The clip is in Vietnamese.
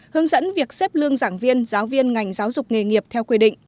hướng dẫn việc xếp lương giảng viên giáo viên ngành giáo dục nghề nghiệp theo quy định